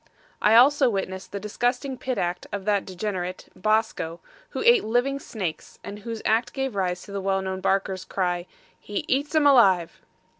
I also witnessed the disgusting pit act of that degenerate, Bosco, who ate living snakes, and whose act gave rise to the well known barkers' cry HE EATS 'EM ALIVE!